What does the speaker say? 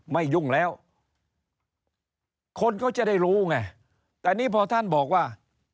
ไม่ยุ่งแล้วคนก็จะได้รู้ไงแต่นี่พอท่านบอกว่า